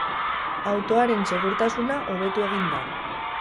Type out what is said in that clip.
Autoaren segurtasuna hobetu egin da.